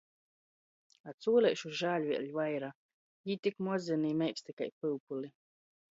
A cuoleišu žāļ vēļ vaira — jī tik mozeni i meiksti kai pyupoli.